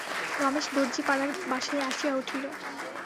রমেশ দরজিপাড়ার বাসায় আসিয়া উঠিল।